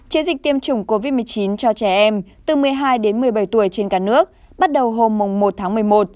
chiến dịch tiêm chủng covid một mươi chín cho trẻ em từ một mươi hai đến một mươi bảy tuổi trên cả nước bắt đầu hôm một tháng một mươi một